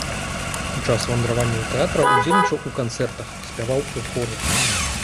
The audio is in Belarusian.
У час вандраванняў тэатра ўдзельнічаў у канцэртах, спяваў у хоры.